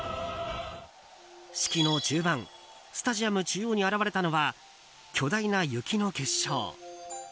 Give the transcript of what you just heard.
式の中盤スタジアム中央に現れたのは巨大な雪の結晶。